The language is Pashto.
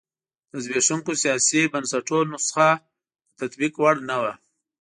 د زبېښونکو سیاسي بنسټونو نسخه د تطبیق وړ نه وه.